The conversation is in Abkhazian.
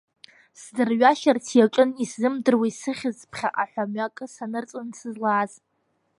Сдырҩашьарц иаҿын, исзымдыруа исыхьыз, ԥхьаҟа ҳәа мҩакы санырҵон сызлааз!